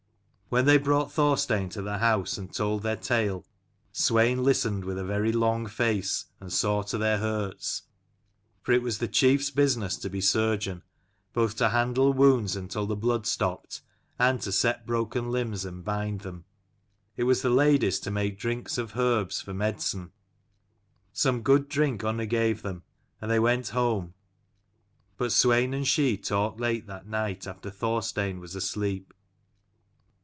70 When they brought Thorstein to the house and told their tale, Swein listened with a very long face, and saw to their hurts : for it was the chiefs business to be surgeon, both to handle wounds until the blood stopped, and to set broken limbs and bind them. It was the lady's to make drinks of herbs for medicine. Some good drink Unna gave them, and they went home : but Swein and she talked late that night after Thorstein was asleep.